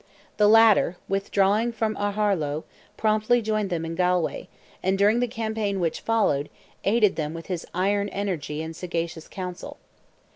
The latter, withdrawing from Aharlow, promptly joined them in Galway, and during the campaign which followed, aided them with his iron energy and sagacious counsel.